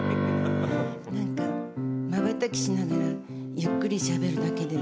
「なんかまばたきしながらゆっくりしゃべるだけで」